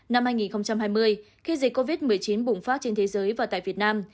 năm hai nghìn hai mươi khi dịch covid một mươi chín bùng phát trên thế giới và tại việt nam